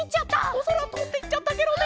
おそらとんでいっちゃったケロね。